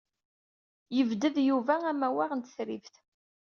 Yebded Yuba amawaɣ n tetribt.